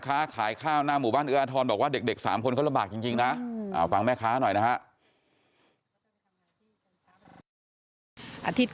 เขาบอกเขาก็คือเหมือนเด็กโรงเรียนเขาอยู่เหมือนเด็กเยอะแล้วน้องโรงเรียน